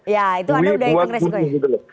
ya itu anda udah hitung resikonya